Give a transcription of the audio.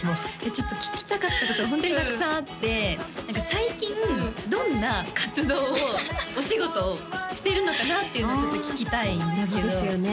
ちょっと聞きたかったことがホントにたくさんあって最近どんな活動をお仕事をしてるのかなっていうのをちょっと聞きたいんですけど謎ですよね